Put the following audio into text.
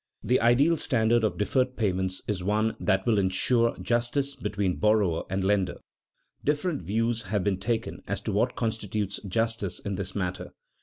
_ The ideal standard of deferred payments is one that will insure justice between borrower and lender. Different views have been taken as to what constitutes justice in this matter.